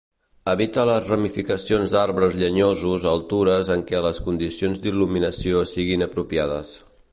Habita a les ramificacions d'arbres llenyosos a altures en què les condicions d'il·luminació siguin apropiades.